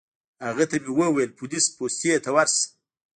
هغه ته مې وویل پولیس پوستې ته ورشه.